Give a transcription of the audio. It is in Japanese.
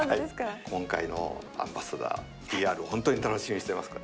今回のアンバサダーＰＲホントに楽しみにしてますから。